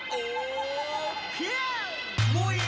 แหมไอ้ล้อเลือกได้